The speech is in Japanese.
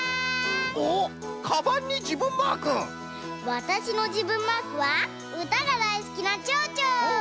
わたしのじぶんマークはうたがだいすきなちょうちょ！